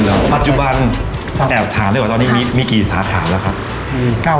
แล้วปัจจุบันท่านแอบถามได้ว่าตอนนี้มีกี่สาขาแล้วครับ